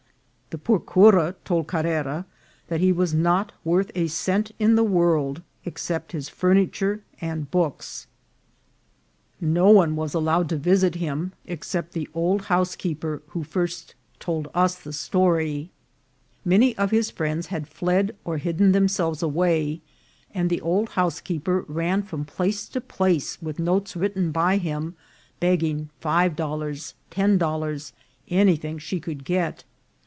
The poor cura told Carrera that he was not worth a cent in the world except his furniture and books. No one was allowed to visit him except 208 INCIDENTS OF TRAVEL. the old housekeeper who first told us the story. Many of his friends had fled or hidden themselves away, and the old housekeeper ran from place to place with notes written by him, begging five dollars, ten dollars, any thing she could get.